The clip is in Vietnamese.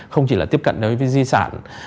không chỉ là tiếp cận với di sản